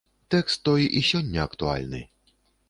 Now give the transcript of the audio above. Тэкст той і сёння актуальны.